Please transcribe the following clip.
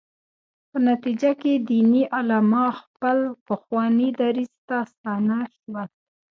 په نتیجه کې دیني علما خپل پخواني دریځ ته ستانه شول.